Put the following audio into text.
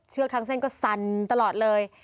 เชือกทั้งเส้นก็สันตลอดเลย